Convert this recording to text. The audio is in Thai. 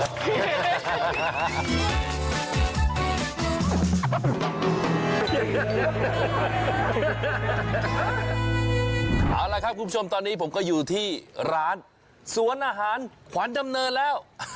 เอาละครับคุณผู้ชมตอนนี้ผมก็อยู่ที่ร้านสวนอาหารขวัญดำเนินแล้ว